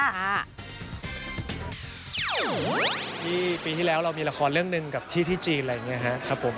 ที่ปีที่แล้วเรามีละครเรื่องหนึ่งกับที่ที่จีนอะไรอย่างนี้ครับผม